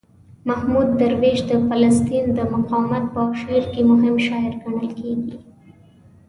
محمود درویش د فلسطین د مقاومت په شعر کې مهم شاعر ګڼل کیږي.